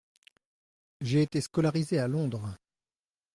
J’ai été scolarisé à Londres.